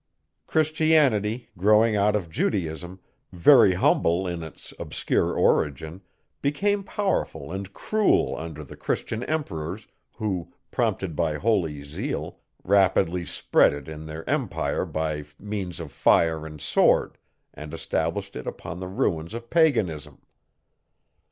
Christianity, growing out of Judaism, very humble in its obscure origin, became powerful and cruel under the Christian emperors, who, prompted by holy zeal, rapidly spread it in their empire by means of fire and sword, and established it upon the ruins of paganism.